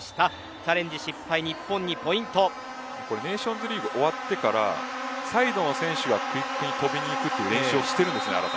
チャレンジ失敗ネーションズリーグ終わってからサイドの選手がクイックに跳びにいく練習をしているんですね。